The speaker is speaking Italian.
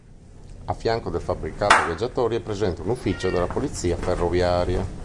A fianco del fabbricato viaggiatori è presente un ufficio della Polizia Ferroviaria.